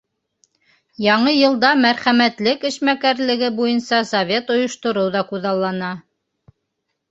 Яңы йылда мәрхәмәтлек эшмәкәрлеге буйынса совет ойоштороу ҙа күҙаллана.